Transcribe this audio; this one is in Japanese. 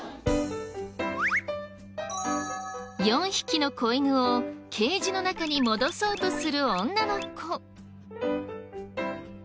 ４匹の子犬をケージの中に戻そうとする女の子。